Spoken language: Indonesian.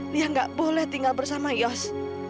dia nggak boleh tinggal bersama yos